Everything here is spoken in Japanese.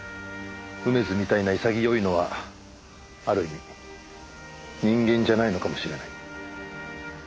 梅津みたいな潔いのはある意味人間じゃないのかもしれない。